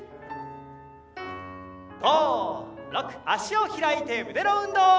脚を開いて胸の運動。